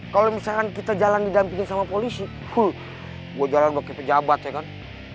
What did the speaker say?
kalau misalkan kita jalan didampingin sama polisi gue jalan pakai pejabat ya kan